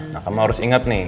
nah kamu harus ingat nih